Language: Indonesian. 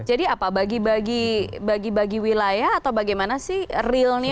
jadi apa bagi bagi wilayah atau bagaimana sih realnya